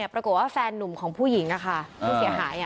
ปรากฏว่าแฟนนุ่มของผู้หญิงผู้เสียหาย